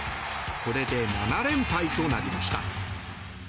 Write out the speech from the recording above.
これで７連敗となりました。